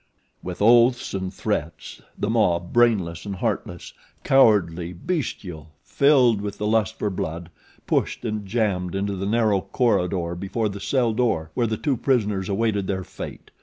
With oaths and threats the mob, brainless and heartless, cowardly, bestial, filled with the lust for blood, pushed and jammed into the narrow corridor before the cell door where the two prisoners awaited their fate.